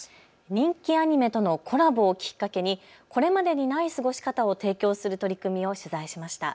人気アニメとのコラボをきっかけにこれまでにない過ごし方を提供する取り組みを取材しました。